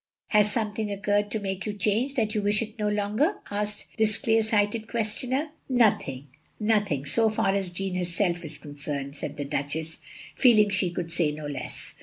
" Has something occurred to make you change — ^that you wish it no longer?" asked this clear sighted questioner. "Nothing — ^nothing, so far as Jeanne herself is concerned," said the Duchess, feeling she could say no less.